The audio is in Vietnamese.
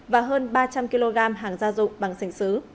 và hơn ba trăm linh kg hàng gia dụng bằng sành xứ